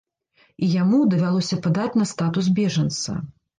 І яму давялося падаць на статус бежанца.